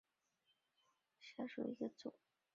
卵叶花佩菊为菊科花佩菊属下的一个种。